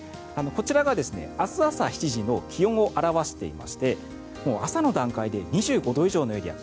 こちらが明日朝７時の気温を表していまして朝の段階で２５度以上のエリア